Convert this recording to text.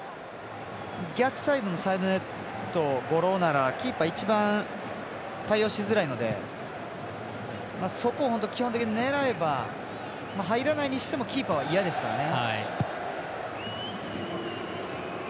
逆サイドのサイドネットゴロならキーパー、一番対応しづらいのでそこを基本的に狙えば入らないとしてもキーパーは嫌ですからね。